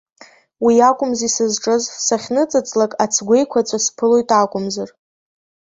Уиакәымзи сызҿыз, сахьныҵыҵлак, ацгәеиқәаҵәа сԥылоит акәымзар.